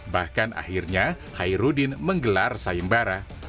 bahkan akhirnya hairudin menggelar sayembara